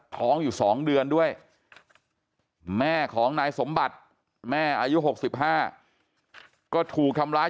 ท้องอยู่๒เดือนด้วยแม่ของนายสมบัติแม่อายุ๖๕ก็ถูกทำร้าย